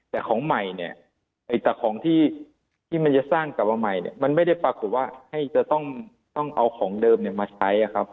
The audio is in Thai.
แต่ของใหม่เนี่ยจากของที่มันจะสร้างกลับมาใหม่เนี่ยมันไม่ได้ปรากฏว่าให้จะต้องเอาของเดิมมาใช้ครับ